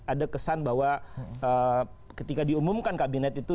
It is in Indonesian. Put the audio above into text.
ada kesan bahwa ketika diumumkan kabinet itu